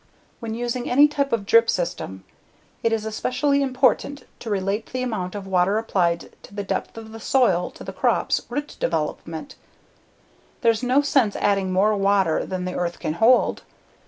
When using any type of drip system it is especially important to relate the amount of water applied to the depth of the soil to the crops, root development. There's no sense adding more water than the earth can hold.